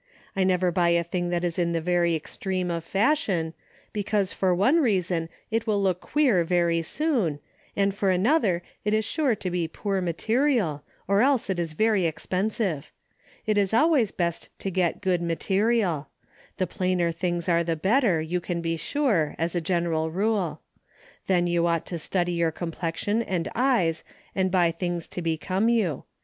I never buy a thing that is in the very extreme of fashion, because for one reason it will look queer very soon, and for another it is sure to be poor material, or else it is very expensive. It is always best to get good material. The plainer things are the better, you can be sure, as a general rule. Then you ought to study your complexion and eyes and buy things to become you.